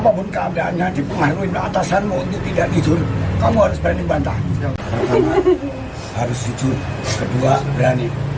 apapun keadaannya dipengaruhi atasanmu untuk tidak tidur kamu harus berani bantah pertama harus jujur kedua berani